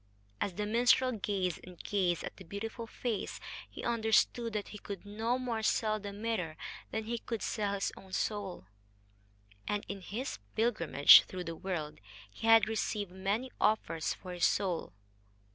As the minstrel gazed and gazed at the beautiful face, he understood that he could no more sell the mirror than he could sell his own soul and, in his pilgrimage through the world, he had received many offers for his soul.